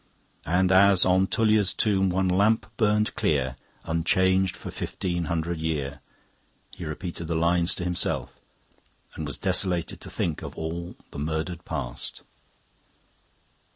"And as on Tullia's tomb one lamp burned clear, Unchanged for fifteen hundred year..." He repeated the lines to himself, and was desolated to think of all the murdered past.